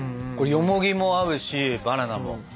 よもぎも合うしバナナも。